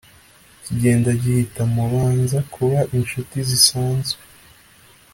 kigenda gihita Mubanza kuba incuti zisanzwe